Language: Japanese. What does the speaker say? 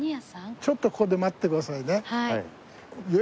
ちょっとここで待ってくださいね。